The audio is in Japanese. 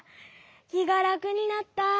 きがらくになった。